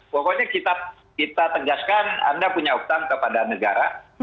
pokoknya kita tegaskan anda punya utang kepada negara